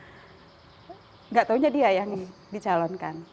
tidak tahunya dia yang dicalonkan